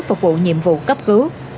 phục vụ nhiệm vụ cấp cứu